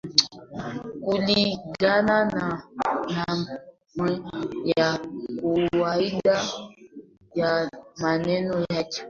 kulingana na maana ya kawaida ya maneno yake